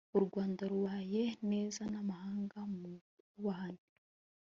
u rwanda rubanye neza n'amahanga mu bwubahane